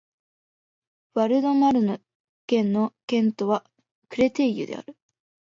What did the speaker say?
ヴァル＝ド＝マルヌ県の県都はクレテイユである